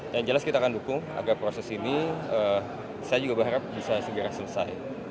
yang jelas kita akan dukung agar proses ini saya juga berharap bisa segera selesai